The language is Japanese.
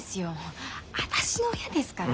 私の親ですから。